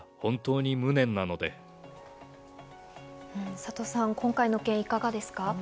サトさん、今回の件、いかがですか？